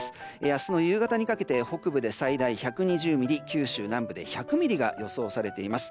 明日の夕方にかけて北部で最大１２０ミリ九州南部で１００ミリが予想されています。